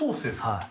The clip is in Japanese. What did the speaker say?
はい。